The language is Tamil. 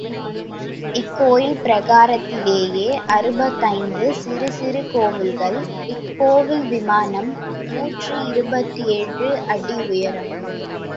இக்கோயில் பிரகாரத்திலேயே அறுபத்தைந்து சிறு சிறு கோயில்கள், இக்கோயில் விமானம் நூற்றி இருபத்தேழு அடி உயரம்.